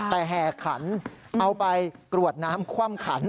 แต่แห่ขันเอาไปกรวดน้ำคว่ำขัน